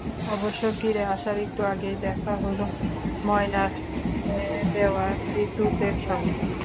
অবশ্য ফিরে আসার একটু আগেই দেখা হলো ময়নার এনে দেওয়া বিদ্যুতের সঙ্গে।